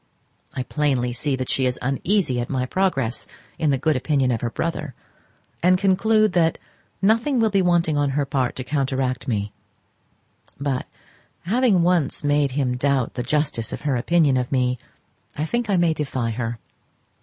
I see plainly that she is uneasy at my progress in the good opinion of her brother, and conclude that nothing will be wanting on her part to counteract me; but having once made him doubt the justice of her opinion of me, I think I may defy her.